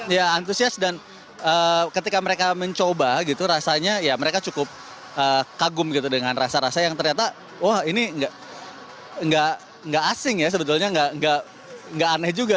ya antusias dan ketika mereka mencoba gitu rasanya ya mereka cukup kagum gitu dengan rasa rasa yang ternyata wah ini nggak asing ya sebetulnya nggak aneh juga